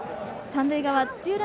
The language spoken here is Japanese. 三塁側土浦